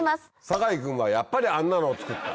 酒井君はやっぱりあんなのを作った。